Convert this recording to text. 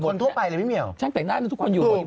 ฉันแต่หน้าทุกคนอยู่